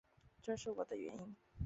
这是我的原因